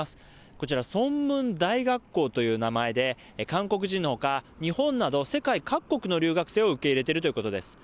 こちらソンムン大学校という名前で、韓国人のほか、日本など世界各国の留学生を受け入れているということです。